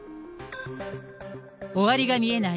終わりが見えない